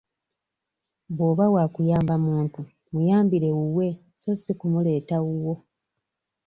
Bwo'ba wakuyamba muntu muyambire wuwe so si kumuleeta wuwo.